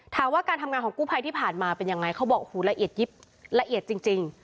ถามว่าการทำงานของกู้ภัยที่ผ่านมาเป็นยังไงเขาบอกโอ้โหละเอียดยิบละเอียดจริง